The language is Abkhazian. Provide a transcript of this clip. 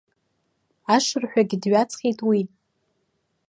Ашырҳәагьы дҩаҵҟьеит уи.